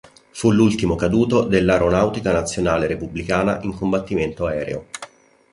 Fu l'ultimo caduto dell'Aeronautica Nazionale Repubblicana in combattimento aereo.